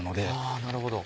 あなるほど。